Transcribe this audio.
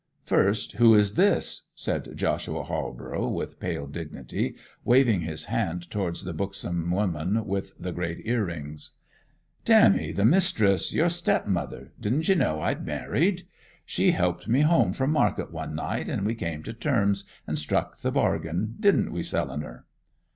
'First, who is this?' said Joshua Halborough with pale dignity, waving his hand towards the buxom woman with the great earrings. 'Dammy, the mis'ess! Your step mother! Didn't you know I'd married? She helped me home from market one night, and we came to terms, and struck the bargain. Didn't we, Selinar?